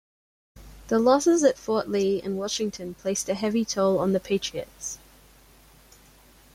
The losses at Fort Lee and Washington placed a heavy toll on the Patriots.